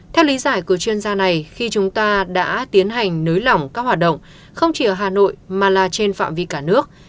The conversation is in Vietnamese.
theo lý giải của chuyên gia này khi chúng ta đã tiến hành nới lỏng các hoạt động không chỉ ở hà nội mà là trên phạm vi cả nước